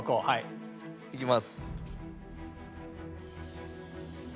はい。